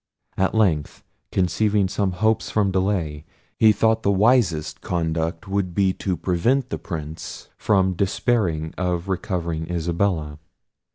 At length, conceiving some hopes from delay, he thought the wisest conduct would be to prevent the Prince from despairing of recovering Isabella.